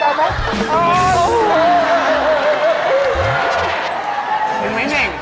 เจ๋งไหมเง่ง